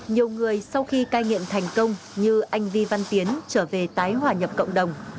nhiều người sau khi cai nghiện thành công như anh vi văn tiến trở về tái hòa nhập cộng đồng